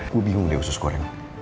gua bingung deh usus goreng